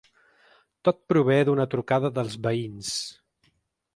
Tot prové d’una trucada dels veïns.